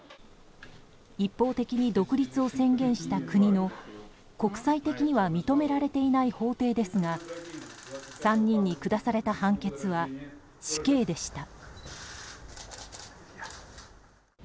一方的に独立を宣言した国の国際的には認められていない法廷ですが３人に下された判決は死刑でした。